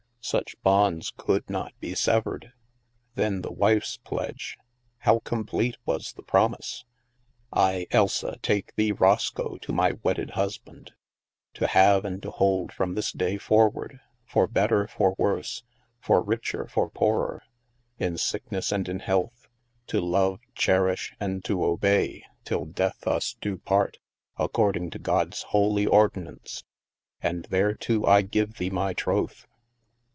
Such bonds could not be severed ! Then, the wife's pledge; how complete was the promise :" I, Elsa, . take thee, Roscoe, to my wedded husband; to have and to hold from this day for ward, for better for worse, for richer for poorer, in sickness and in health, to love, cherish, and to obey, till death us do part, according to God's holy ordinance, and thereto I give thee my troth."